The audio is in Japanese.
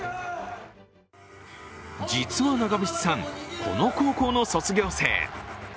実は長渕さん、この高校の卒業生。